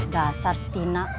dasar si tina